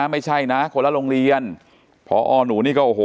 ไม่ใช่นะคนละโรงเรียนพอหนูนี่ก็โอ้โห